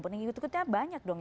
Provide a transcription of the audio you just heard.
pengikutnya banyak dong